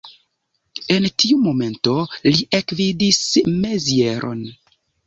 En tiu momento li ekvidis Mazieron.